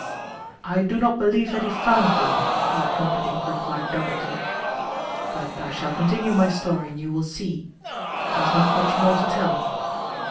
"I do not believe that he found them," Father Humperdinck replied doggedly; "but I shall continue my story and you will see. There is not much more to tell.